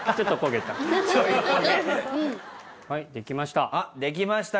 はい出来ました。